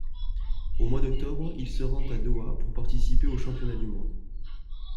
Au mois d'octobre, il se rend à Doha pour participer aux championnats du monde.